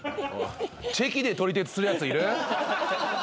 チェキで撮り鉄するやついる？